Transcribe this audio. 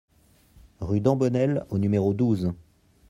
Rue d'Embonnel au numéro douze